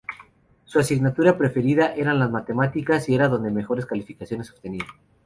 Su asignatura preferida eran las matemáticas y era donde mejores calificaciones obtenía.